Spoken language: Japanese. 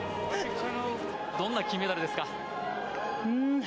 どんな金メダルですか？